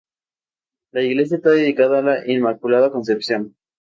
La iglesia está dedicada a La Inmaculada Concepción.